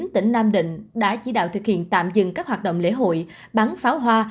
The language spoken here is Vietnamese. tỉnh nam định đã chỉ đạo thực hiện tạm dừng các hoạt động lễ hội bắn pháo hoa